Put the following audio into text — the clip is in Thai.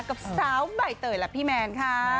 กับสาวใบเตยและพี่แมนค่ะ